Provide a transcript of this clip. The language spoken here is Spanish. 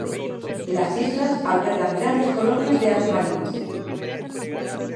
Las islas albergan grandes colonias de aves marinas.